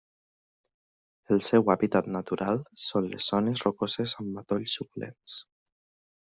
El seu hàbitat natural són les zones rocoses amb matolls suculents.